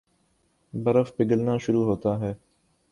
برف پگھلنا شروع ہوتا ہے